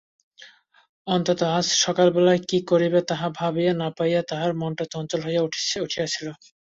অন্তত আজ সকালবেলায় কী করিবে তাহা ভাবিয়া না পাইয়া তাহার মনটা চঞ্চল হইয়া উঠিয়াছিল।